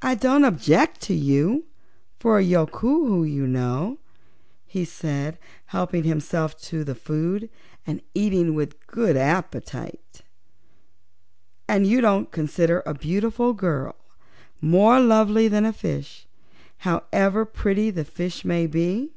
"I don't object to you for a Yookoohoo, you know," he said, helping himself to the food and eating with good appetite. "And don't you consider a beautiful girl more lovely than a fish, however pretty the fish may be?"